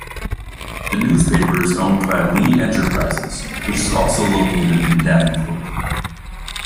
The newspaper is owned by Lee Enterprises, which is also located in Davenport.